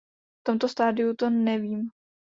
V tomto stádiu to nevím.